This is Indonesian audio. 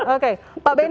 oke pak benny